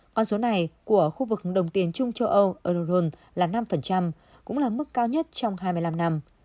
con số này của khu vực đồng tiền trung châu âu eurozone là năm cũng là mức cao nhất trong hai mươi năm năm